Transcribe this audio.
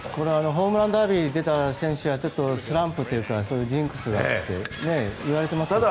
ホームランダービーに出た選手はスランプというか、ジンクスがあるって言われていますけど。